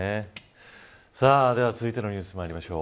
続いてのニュースまいりましょう。